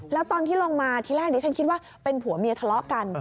แล้วตอนที่ลงมาที่แรกดิฉันคิดว่าเป็นผัวเมียทะเลาะกัน